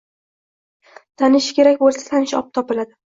Tanish kerak bo‘lsa, tanish topiladi.